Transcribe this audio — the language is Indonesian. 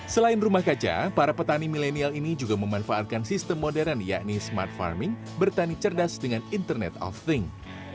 selain rumah kaca para petani milenial ini juga memanfaatkan sistem modern yakni smart farming bertani cerdas dengan internet of thing